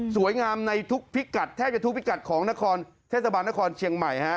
ในทุกพิกัดแทบจะทุกพิกัดของนครเทศบาลนครเชียงใหม่ฮะ